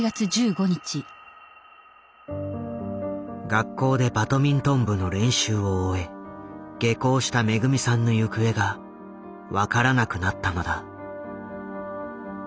学校でバドミントン部の練習を終え下校しためぐみさんの行方が分からなくなったのだ。